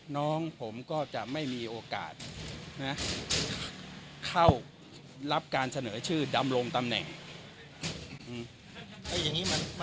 น้องผมก็จะไม่มีโอกาสเข้ารับการเสนอชื่อดำรงตำแหน่ง